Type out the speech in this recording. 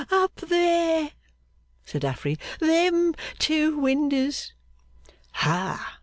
'Up there!' said Affery. 'Them two windows.' 'Hah!